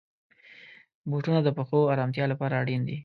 بوټونه د پښو آرامتیا لپاره اړین دي.